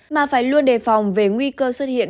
mà phải luôn đề phòng về nguy cơ xuất hiện